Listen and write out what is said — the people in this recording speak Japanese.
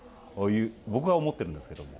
僕は思ってるんですけども。